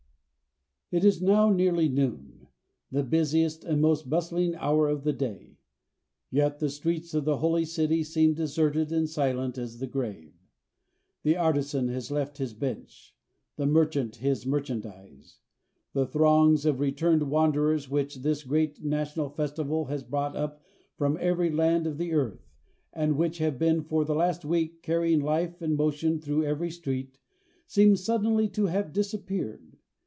It is now nearly noon, the busiest and most bustling hour of the day; yet the streets of the Holy City seem deserted and silent as the grave. The artisan has left his bench, the merchant his merchandise; the throngs of returned wanderers which this great national festival has brought up from every land of the earth, and which have been for the last week carrying life and motion through every street, seem suddenly to have disappeared.